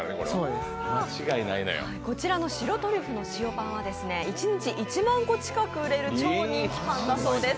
こちらの白トリュフの塩パンは一日１万個近く売れる超人気パンだそうです。